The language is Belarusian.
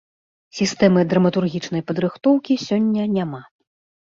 Сістэмы драматургічнай падрыхтоўкі сёння няма.